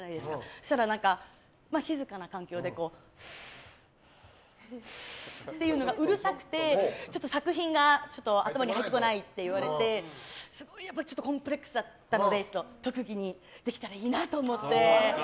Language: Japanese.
そしたら、静かな環境でフーフーっていうのがうるさくて、作品が頭に入ってこないって言われてすごいコンプレックスだったので特技にできたらいいなと思って。